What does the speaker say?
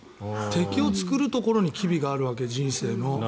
敵を作るところに機微があるわけ人生の。